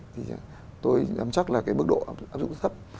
thì tôi dám chắc là cái mức độ áp dụng rất thấp